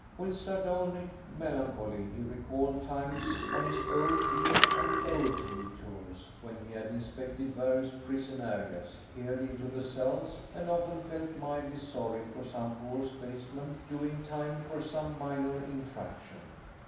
With sardonic melancholy, he recalled times on his O.D. and O.G. tours when he had inspected various prison areas, peered into the cells, and often felt mildly sorry for some poor spaceman doing time for some minor infraction.